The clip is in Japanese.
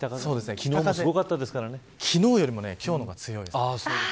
昨日よりも今日の方が強いです。